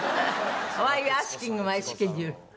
ホワイユーアスキングマイスケジュール？